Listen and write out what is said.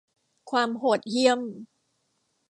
ความโหดเหี้ยม